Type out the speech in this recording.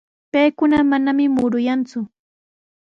Paykuna manami muruyanku.